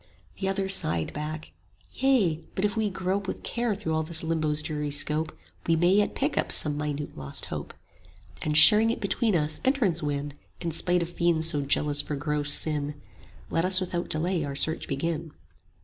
The other sighed back, Yea; but if we grope With care through all this Limbo's dreary scope, We yet may pick up some minute lost hope; 60 And sharing it between us, entrance win, In spite of fiends so jealous for gross sin: Let us without delay our search begin.